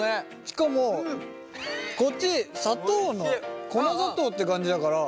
しかもこっち砂糖の粉砂糖って感じだから。